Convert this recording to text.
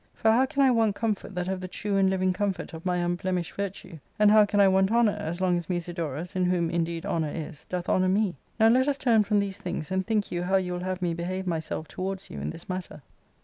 For how can I want comfort that have the true and living comfort of my unblemished virtue? and how can I want honour as long as Musidorus, in whom indeed honour is, doth honour me ? Now let us turn from these things, and think you how you will have me behave myself towards you in this matter."